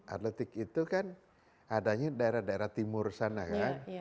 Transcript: atletik itu kan adanya daerah daerah timur sana kan